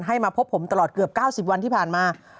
มาพบผมตลอดเกือบ๙๐วันที่ผ่านมา